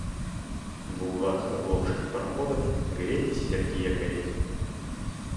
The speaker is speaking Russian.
В углах оглохших пароходов горели серьги якорей.